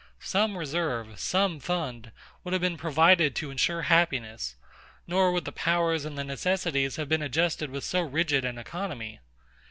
Some reserve, some fund, would have been provided to ensure happiness; nor would the powers and the necessities have been adjusted with so rigid an economy.